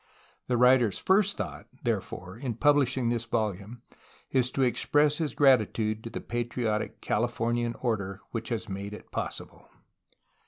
The writer's first thought, therefore, in publishing this volume is to express his grati tude to the patriotic Californian order which has made it possible.